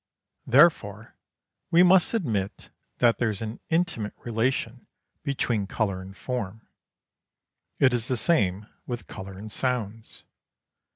Therefore, we must admit that there is an intimate relation between colour and form. It is the same with colour and sounds.